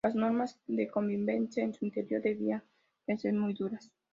Las normas de convivencia en su interior debían de ser muy duras.